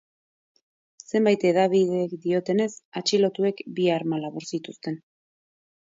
Zenbait hedabidek diotenez, atxilotuek bi arma labur zituzten.